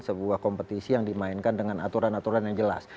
sebuah kompetisi yang dimainkan dengan aturan aturan yang jelas